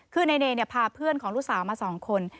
คือนายเนยพาเพื่อนของลูกสาวมา๒คน